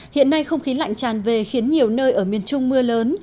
hiện nay không khí lạnh tràn về khiến nhiều nơi ở miền trung mưa lớn